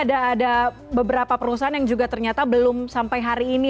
ada beberapa perusahaan yang juga ternyata belum sampai hari ini